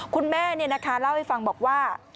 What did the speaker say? คุณแม่เล่าให้ฟังบอกว่า